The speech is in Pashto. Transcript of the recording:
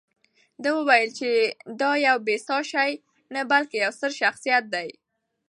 ده وویل چې دا یو بې ساه شی نه، بلکې یو ستر شخصیت دی.